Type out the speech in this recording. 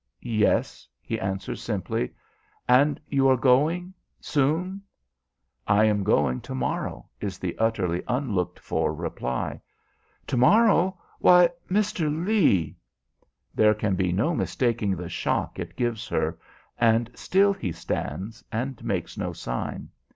"Yes," he answers, simply. "And you are going soon?" "I am going to morrow," is the utterly unlooked for reply. "To morrow! Why Mr. Lee!" There can be no mistaking the shock it gives her, and still he stands and makes no sign.